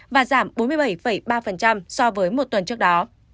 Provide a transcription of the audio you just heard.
và giảm bốn mươi bảy ba so với một tuần trước đó